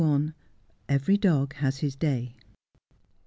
EVERY DOG HAS HIS DAY.